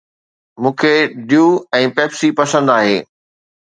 مون کي Dew ۽ Pepsi پسند آهي.